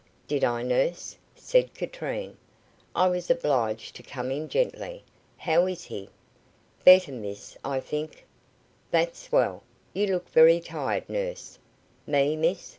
"Did I, nurse?" said Katrine. "I was obliged to come in gently. How is he?" "Better, miss, I think." "That's well. You look very tired, nurse." "Me, miss?